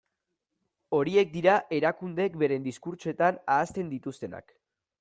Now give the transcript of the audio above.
Horiek dira erakundeek beren diskurtsoetan ahazten dituztenak.